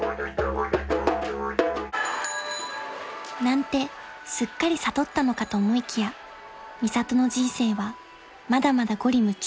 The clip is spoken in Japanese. ［なんてすっかり悟ったのかと思いきやミサトの人生はまだまだ五里霧中］